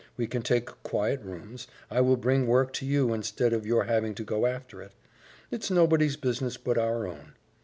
We can take quiet rooms, I will bring work to you instead of your having to go after it. It's nobody's business but our own.